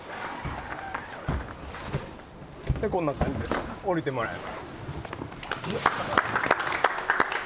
こんな感じで下りてもらえば。